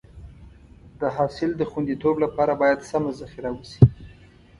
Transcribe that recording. د حاصل د خونديتوب لپاره باید سمه ذخیره وشي.